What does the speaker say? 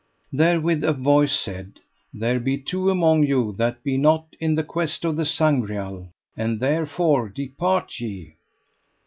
Therewith a voice said: There be two among you that be not in the quest of the Sangreal, and therefore depart ye.